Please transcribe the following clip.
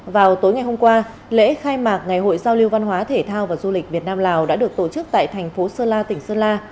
vào tối ngày hôm qua lễ khai mạc ngày hội giao lưu văn hóa thể thao và du lịch việt nam lào đã được tổ chức tại thành phố sơn la tỉnh sơn la